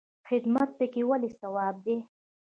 خدمت پکې ولې ثواب دی؟